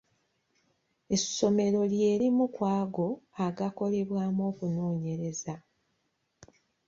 Essomero lye limu ku ago agaakolebwamu okunoonyereza.